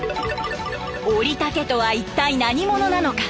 オリタ家とは一体何者なのか？